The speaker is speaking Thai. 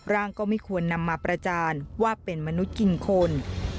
ก็ไม่ควรนำมาประจานว่าเป็นมนุษย์กินคน